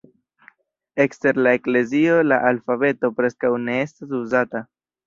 Ekster la eklezio la alfabeto preskaŭ ne estas uzata.